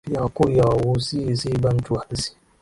Pia Wakurya Waghusii si Bantu halisi